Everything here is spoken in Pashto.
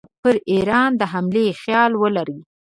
پر ایران د حملې خیال ولري.